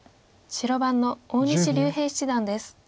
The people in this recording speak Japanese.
白番の大西竜平七段です。